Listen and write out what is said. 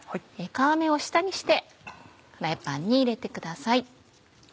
皮目を下にしてフライパンに入れてください。